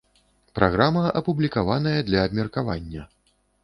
Праграма апублікаваная для абмеркавання.